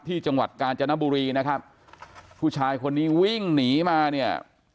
จังหวัดกาญจนบุรีนะครับผู้ชายคนนี้วิ่งหนีมาเนี่ย